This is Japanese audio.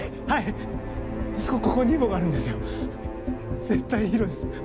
ここにイボがあるんですよ。